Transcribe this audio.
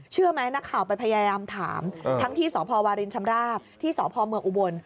เชื่อไหมนักข่าวไปพยายามถามทั้งที่สพวารินชำราบที่สพเมืองอุบล